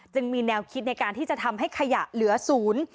มีแนวคิดในการที่จะทำให้ขยะเหลือศูนย์